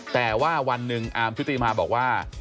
แต่ว่าวันหนึ่งอาร์มชุติมาบอกว่า